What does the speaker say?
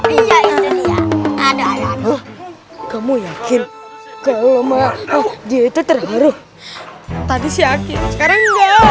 iya itu dia ada kamu yakin kalau dia itu terbaru tadi siakin sekarang